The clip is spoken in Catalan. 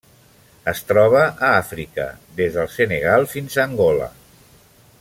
Es troba a Àfrica: des del Senegal fins a Angola.